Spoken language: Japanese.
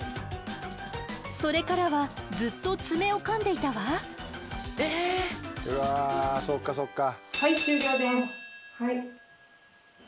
それからはずっと爪をかんでいたわ。え。うわそっかそっか。